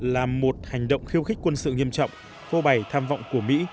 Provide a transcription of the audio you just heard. là một hành động khiêu khích quân sự nghiêm trọng vô bày tham vọng của mỹ